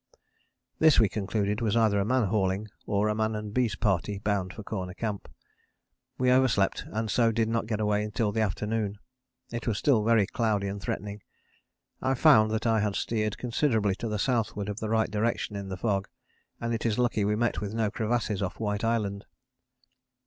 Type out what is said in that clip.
] This we concluded was either a man hauling, or man and beast party bound for Corner Camp. We overslept and so did not get away till the afternoon. It was still very cloudy and threatening. I found that I had steered considerably to the southward of the right direction in the fog, and it is lucky we met with no crevasses off White Island.